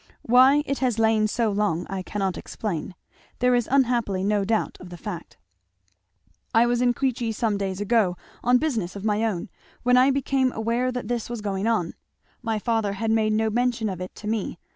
Why it has lain so long I cannot explain. There is unhappily no doubt of the fact. "I was in Queechy some days ago, on business of my own, when I became aware that this was going on my father had made no mention of it to me.